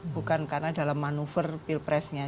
bukan karena dalam manuver pilpresnya